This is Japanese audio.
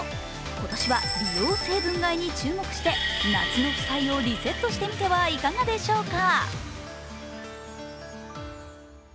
今年は美容成分買いに注目して夏の負債をリセットしてみてはいかがでしょうか。